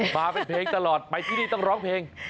มาเป็นเพลงตลอดไปที่นี่ต้องร้องเพลง